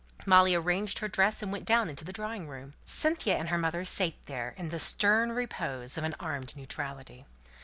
Molly arranged her dress and went down into the drawing room. Cynthia and her mother sate there in the stern repose of an armed neutrality.